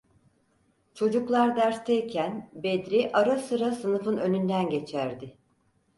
Çocuklar dersteyken Bedri ara sıra sınıfın önünden geçerdi.